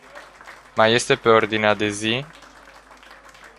Mai este pe ordinea de zi?